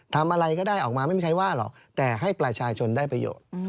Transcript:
ทำอะไรก็ได้ออกมาไม่มีใครว่าหรอกแต่ให้ประชาชนได้ประโยชน์